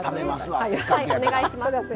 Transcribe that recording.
はいお願いします。